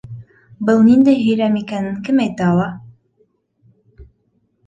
Был ниндәй һөйләм икәнен кем әйтә ала?